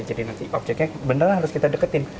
jadi nanti objeknya benda lah harus kita deketin